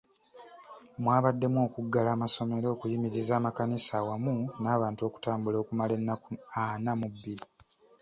Mwabaddemu okuggala amasomero, okuyimiriza amakanisa wamu n’abantu okutambula okumala ennaku ana mu bbiri.